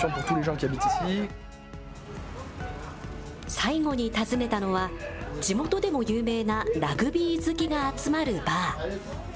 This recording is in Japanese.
最後に訪ねたのは、地元でも有名なラグビー好きが集まるバー。